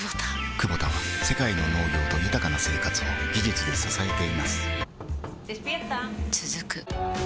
クボタは世界の農業と豊かな生活を技術で支えています起きて。